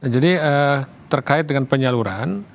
jadi terkait dengan penyaluran